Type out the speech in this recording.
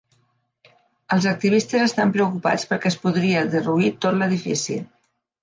Els activistes estan preocupats perquè es podria derruir tot l'edifici.